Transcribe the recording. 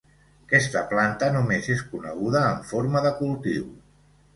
Aquesta planta només és coneguda en forma de cultiu.